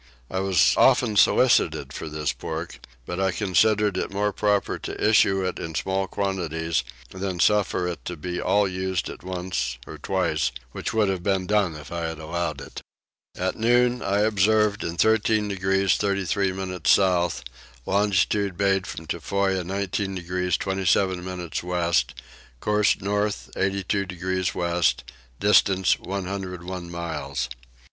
I was often solicited for this pork, but I considered it more proper to issue it in small quantities than to suffer it to be all used at once or twice, which would have been done if I had allowed it. At noon I observed in 13 degrees 33 minutes south, longitude made from Tofoa 19 degrees 27 minutes west; course north 82 degrees west, distance 101 miles.